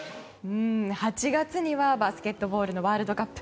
８月にはバスケットボールのワールドカップ。